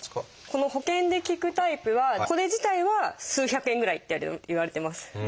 この保険が利くタイプはこれ自体は数百円ぐらいっていわれてます。